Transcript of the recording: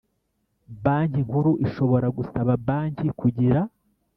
Banki Nkuru ishobora gusaba banki kugira